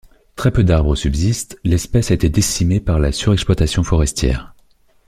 Très peu d'arbres subsistent, l'espèce a été décimée par la surexploitation forestière.